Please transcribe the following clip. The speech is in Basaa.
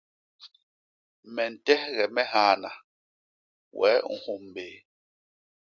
Me ntehge me hana wee u nhôm bé.